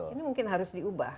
ini mungkin harus diubah